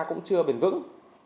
cũng chưa bền vững